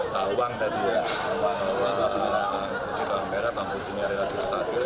bawang tadi ya bawang putih bawang merah bawang putihnya relatif stabil